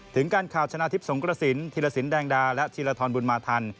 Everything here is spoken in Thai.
ถึงการข่าวชนะทิพย์สงกระสินธีรสินแดงดาและธีรทรบุญมาทัน